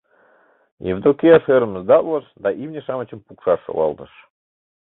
Евдокия шӧрым сдатлыш да имне-шамычым пукшаш шогалтыш.